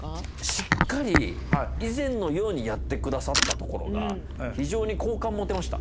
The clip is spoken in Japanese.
しっかり以前のようにやってくださったところが非常に好感持てました。